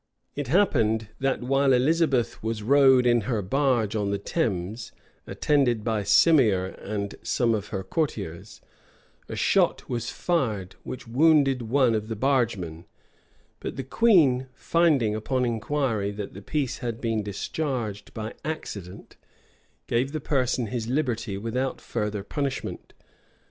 It happened, that while Elizabeth was rowed in her barge on the Thames, attended by Simier and some of her courtiers, a shot was fired, which wounded one of the bargemen; but the queen, finding, upon inquiry, that the piece had been discharged by accident, gave the person his liberty without further punishment.